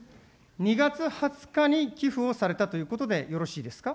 ２月２０日に寄付をされたということでよろしいですか。